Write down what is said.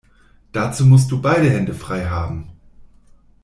Dazu musst du beide Hände frei haben.